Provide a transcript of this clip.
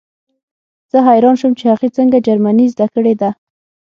زه حیران شوم چې هغې څنګه جرمني زده کړې ده